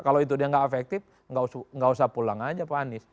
kalau itu dia nggak efektif nggak usah pulang aja pak anies